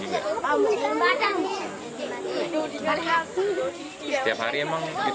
diguatin perahu atau buat jembatan juga